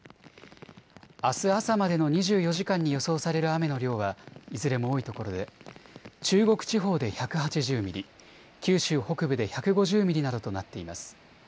あす朝までの２４時間に予想される雨の量はいずれも多いところで中国地方で１８０ミリ、九州北部で１５０ミリなどとなっています。